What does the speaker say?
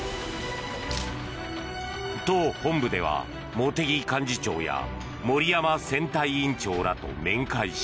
党本部では茂木幹事長や森山選対委員長らと面会。